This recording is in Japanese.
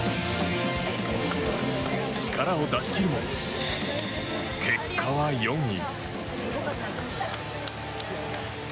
力を出し切るも、結果は４位。